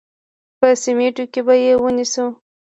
په سمینټو کې به یې ونیسو.